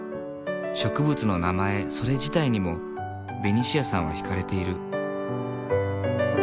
植物の名前それ自体にもベニシアさんは引かれている。